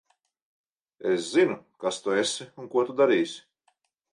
Es zinu, kas tu esi un ko tu darīsi.